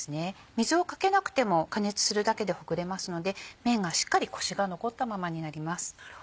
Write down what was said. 水をかけなくても加熱するだけでほぐれますのでめんがしっかりコシが残ったままになります。